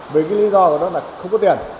vì cái lý do của nó là không có tiền